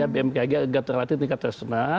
bmkg agak terlatih tingkat terserah